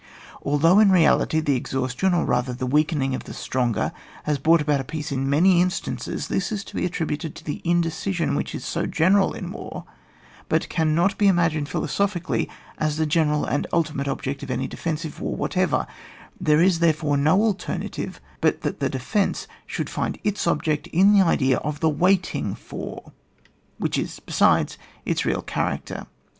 Although in reality the exhaustion, or rather the weakening of the stronger, has brought about a peace in many instances Uiat is to be attributed to the indecision which is so general in war, but cannot be imagined philosophically as the general and ultimate object of any defen sive war whatever, there is, therefore, no alternative but that the defence shoidd find its object in the idea of the ' waiting fw^ which is besides its real character.